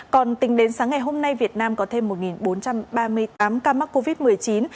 còn tính đến sáng ngày hôm nay việt nam có thêm một bốn trăm ba mươi tám ca mắc covid một mươi chín